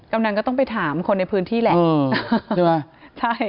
ำนันก็ต้องไปถามคนในพื้นที่แหละใช่ไหมใช่